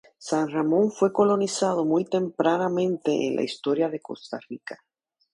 San Ramón fue colonizado muy tempranamente en la historia de Costa Rica.